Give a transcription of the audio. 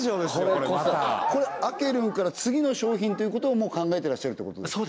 これこそがアケルンから次の商品ということをもう考えてらっしゃるということですか？